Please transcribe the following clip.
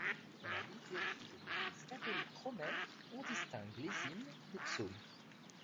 Dans la liturgie de l'église catholique romaine on distingue les hymnes des psaumes.